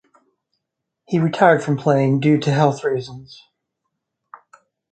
He retired from playing due to health reasons.